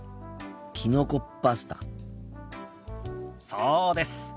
そうです。